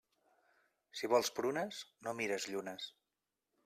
Si vols prunes, no mires llunes.